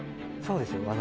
そうですよ